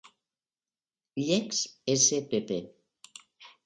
Ilex spp.